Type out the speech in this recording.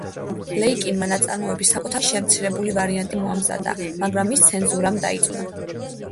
ლეიკინმა ნაწარმოების საკუთარი შემცირებული ვარიანტი მოამზადა, მაგრამ ის ცენზურამ დაიწუნა.